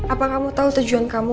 apa kamu tahu tujuan kamu